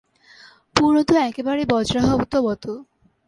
পূর্ণ তো একেবারে বজ্রাহতবৎ!